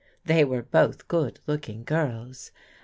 They were both good looking girls.